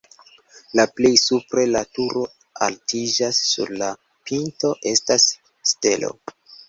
La plej supre la turo altiĝas, sur la pinto estas stelo.